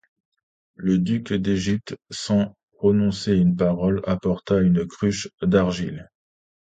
Le duc d’Égypte, sans prononcer une parole, apporta une cruche d’argile.